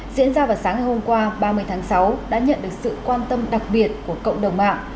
diễn ra vào sáng ngày hôm qua ba mươi tháng sáu đã nhận được sự quan tâm đặc biệt của cộng đồng mạng